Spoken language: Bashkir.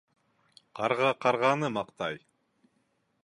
Ҡарға ҡарғаны маҡтай.